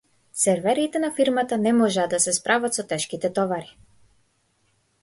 Серверите на фирмата не можеа да се справат со тешките товари.